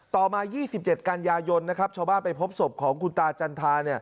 ต่อมา๒๗กันยายนชาวบ้านไปพบศพของคุณตาจันทรา